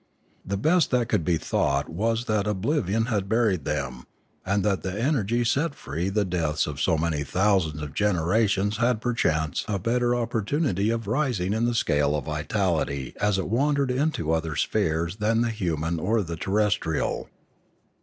The best that could be thought was that oblivion had buried them, and that the energy set free at the deaths of so many thousands of generations had perchance a better opportunity of A Warning 653 rising in the scale of vitality as it wandered into other spheres than the human or the terrestrial.